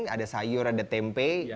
ada sayur ada tempe